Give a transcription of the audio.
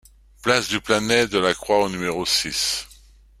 Place du Planet de la Croix au numéro six